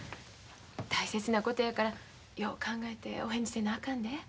大切なことやからよう考えてお返事せなあかんで。